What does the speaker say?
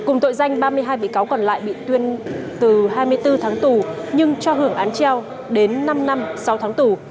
cùng tội danh ba mươi hai bị cáo còn lại bị tuyên từ hai mươi bốn tháng tù nhưng cho hưởng án treo đến năm năm sáu tháng tù